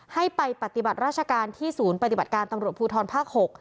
ให้ไปปฏิบัติราชการที่ศูนย์ปฏิบัติการตำรวจภูทรภาค๖